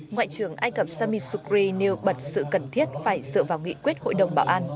ngoại trưởng ai cập sami sukri nêu bật sự cần thiết phải dựa vào nghị quyết hội đồng bảo an